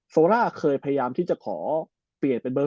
โซล่าเคยพยายามที่จะขอเปลี่ยนเป็นเบอร์